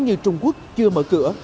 như trung quốc chưa mở cửa